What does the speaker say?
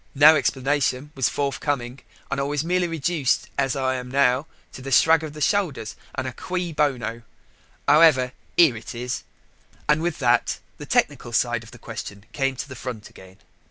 no explanation was forthcoming. And I was merely reduced, as I am now, to a shrug of the shoulders, and a cui bono. However, here it is," and with that the technical side of the question came to the front again.